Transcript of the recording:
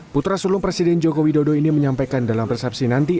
putra sulung presiden joko widodo ini menyampaikan dalam persepsi nanti